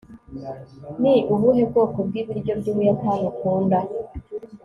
ni ubuhe bwoko bw'ibiryo by'ubuyapani ukunda